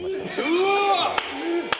うわ！